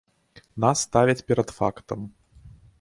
Нас ставяць перад фактам.